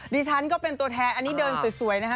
ดิฉันก็เป็นตัวแทนอันนี้เดินสวยนะคะ